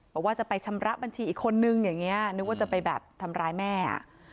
บอกว่าจะไปชำระบัญชีอีกคนนึงอย่างนี้นึกว่าจะไปแบบทำร้ายแม่